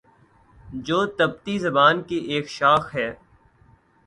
جو تبتی زبان کی ایک شاخ ہے